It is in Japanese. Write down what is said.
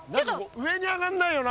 上にあがんないよな。